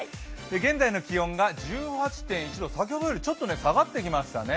現在の気温が１８．１度、先ほどより、ちょっと下がってきましたね。